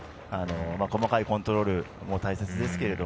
細かいコントロールも大切ですけど。